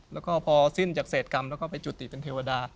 แล้วก็พอสิ้นจากเศษกรรมแล้วก็ไปจุติเป็นเทวดา